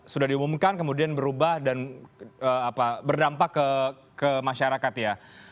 sudah diumumkan kemudian berubah dan berdampak ke masyarakat ya